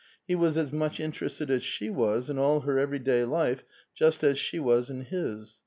He was as much interested as she was in all her every day life, just as s}ie waa in his.